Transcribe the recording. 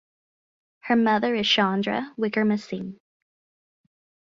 Her mother is Chandra Wickremasinghe.